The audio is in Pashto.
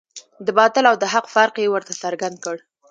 د باطل او د حق فرق یې ورته څرګند کړ.